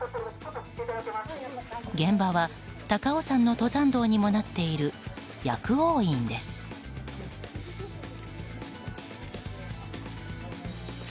現場は高尾山の登山道にもなっている薬王院です。